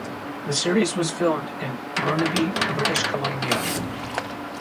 The series was filmed in Burnaby, British Columbia.